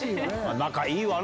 仲いいわな！